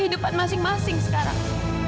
kehidupan masing masing sekarang